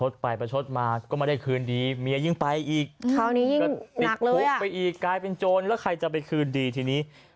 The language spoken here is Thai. ติดคุกไปอีกกลายเป็นโจรแล้วใครจะไปคืนดีทีนี้